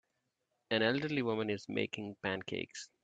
An elderly woman is making pancakes.